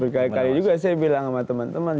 berkali kali juga saya bilang sama teman teman